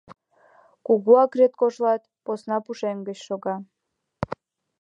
Кугу акрет кожлат посна пушеҥге гыч шога.